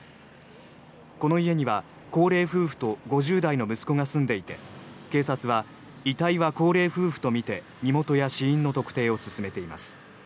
この家には高齢夫婦と５０代の息子が住んでいて警察は遺体は高齢夫婦とみて身元や死因の特定を進めています。